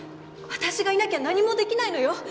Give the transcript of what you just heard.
私がいなきゃ何もできないのよ。